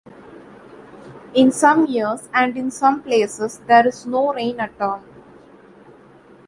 In some years and in some places there is no rain at all.